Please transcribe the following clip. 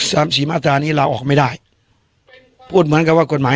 สามสี่มาตรานี้ลาออกไม่ได้พูดเหมือนกับว่ากฎหมาย